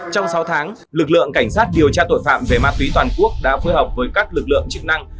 trong sáu tháng lực lượng cảnh sát điều tra tội phạm về ma túy toàn quốc đã phối hợp với các lực lượng chức năng